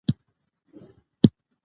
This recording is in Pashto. نن يې پالک پخ کړي دي